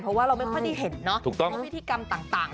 เพราะว่าเราไม่ค่อยได้เห็นเนาะว่าพิธีกรรมต่าง